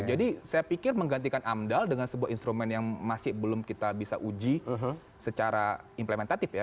jadi saya pikir menggantikan amdal dengan sebuah instrumen yang masih belum kita bisa uji secara implementatif ya